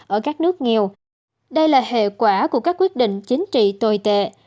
ở các nước nghèo đây là hệ quả của các quyết định chính trị tồi tệ